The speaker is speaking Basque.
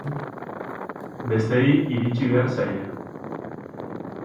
Besteei iritsi behar zaie.